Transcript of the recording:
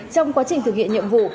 trong quá trình thực hiện nhiệm vụ